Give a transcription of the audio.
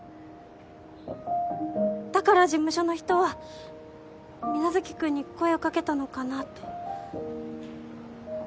だから事務所の人は皆月君に声をかけたのかなと。